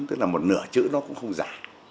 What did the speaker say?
tức là một nửa chữ nó cũng không giả